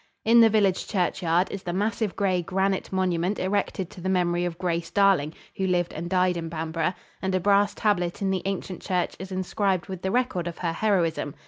In the village churchyard is the massive gray granite monument erected to the memory of Grace Darling, who lived and died in Bamborough, and a brass tablet in the ancient church is inscribed with the record of her heroism.